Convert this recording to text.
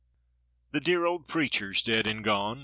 83 This dear old preacher's dead and gone.